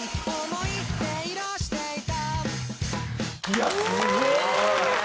いやすごっ！